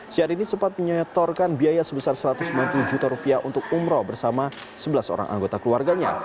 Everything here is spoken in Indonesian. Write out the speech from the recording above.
syahrini sempat menyetorkan biaya sebesar satu ratus sembilan puluh juta rupiah untuk umroh bersama sebelas orang anggota keluarganya